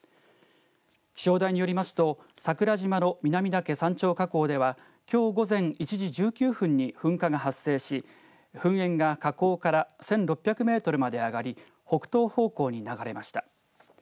気象台によりますと桜島の南岳山頂火口ではきょう午前１時１９分に噴火が発生し噴煙が火口から１６００メートルまで上がり北東方向に流れました。